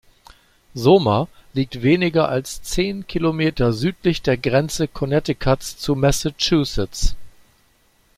Somer liegt weniger als zehn Kilometer südlich der Grenze Connecticuts zu Massachusetts.